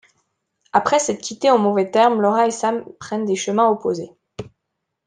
Après s'être quittés en mauvais termes, Laura et Sam prennent des chemins opposés.